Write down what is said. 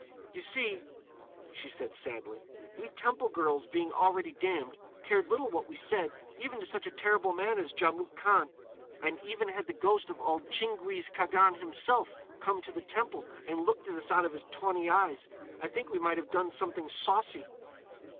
"You see," she said sadly, "we temple girls, being already damned, cared little what we said, even to such a terrible man as Djamouk Khan. And even had the ghost of old Tchinguiz Khagan himself come to the temple and looked at us out of his tawny eyes, I think we might have done something saucy."